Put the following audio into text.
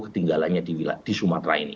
ketinggalannya di sumatera ini